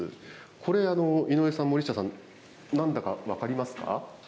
これ、井上さん、森下さん、なんだか分かりますか？